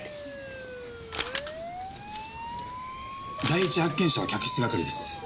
第一発見者は客室係です。